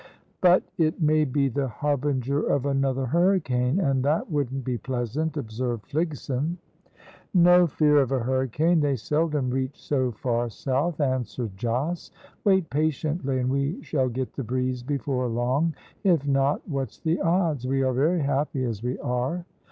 "But it may be the harbinger of another hurricane, and that wouldn't be pleasant," observed Fligson. "No fear of a hurricane. They seldom reach so far south," answered Jos. "Wait patiently, and we shall get the breeze before long. If not, what's the odds? we are very happy as we are."